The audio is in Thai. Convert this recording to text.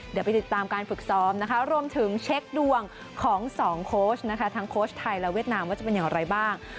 เดี๋ยวไปติดตามการฝึกซ้อมนะคะรวมถึงเช็คดวงของสองโค้ชนะคะทั้งโค้ชไทยและเวียดนามว่าจะเป็นอย่างไรบ้าง